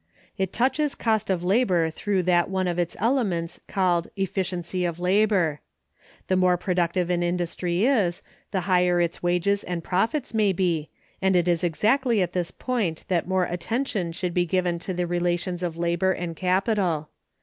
It touches cost of labor through that one of its elements called "efficiency of labor." The more productive an industry is, the higher its wages and profits may be, and it is exactly at this point that more attention should be given to the relations of labor and capital.